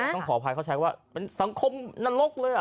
ต้องขออภัยเขาใช้ว่าเป็นสังคมนรกเลย